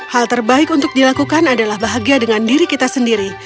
hal terbaik untuk dilakukan adalah bahagia dengan diri kita sendiri